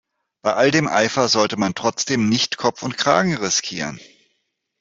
Bei all dem Eifer sollte man trotzdem nicht Kopf und Kragen riskieren.